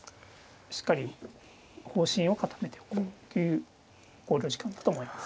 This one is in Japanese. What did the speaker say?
しっかり方針を固めておこうという考慮時間だと思います。